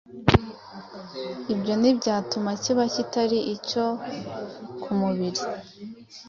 ibyo ntibyatuma kiba kitari icyo ku mubiri.